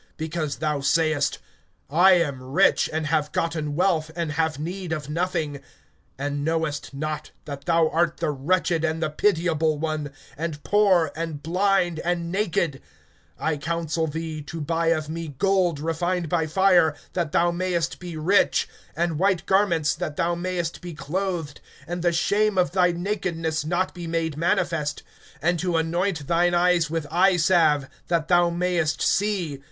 (17)Because thou sayest: I am rich, and have gotten wealth, and have need of nothing, and knowest not that thou art the wretched and the pitiable one, and poor, and blind, and naked; (18)I counsel thee to buy of me gold refined by fire, that thou mayest be rich, and white garments, that thou mayest be clothed, and the shame of thy nakedness not be made manifest, and to anoint thine eyes with eye salve, that thou mayest see.